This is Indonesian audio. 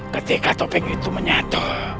ketika topik itu menyatu